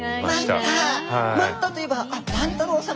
マンタといえばあっ万太郎様！